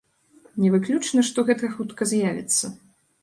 Не выключна, што гэта хутка з'явіцца.